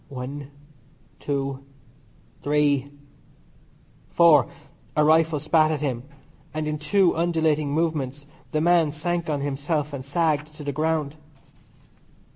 One, two, three, four " A rifle spat at him, and in two undulating movements the man sank on himself and sagged to the ground.